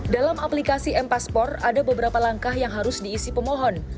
dalam aplikasi m paspor ada beberapa langkah yang harus diisi pemohon